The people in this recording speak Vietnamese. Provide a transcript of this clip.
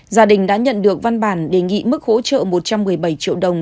gia đình đã nhận được văn bản đề nghị mức hỗ trợ một trăm một mươi bảy triệu đồng